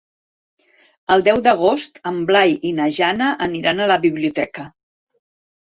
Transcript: El deu d'agost en Blai i na Jana aniran a la biblioteca.